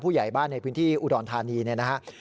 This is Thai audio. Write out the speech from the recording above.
ผู้ใหญ่บ้านในพื้นที่อุดรธานีนะครับ